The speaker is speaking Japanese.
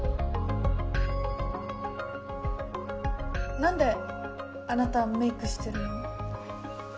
何であなたはメイクしてるの？